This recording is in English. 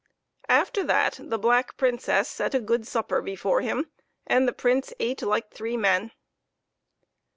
After that the black Princess set a good supper before him, and the Prince ate like three men.